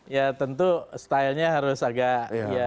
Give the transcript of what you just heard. ya tentu stylenya harus agak ya